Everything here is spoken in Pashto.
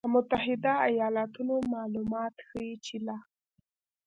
له متحدو ایالتونو مالومات ښیي چې له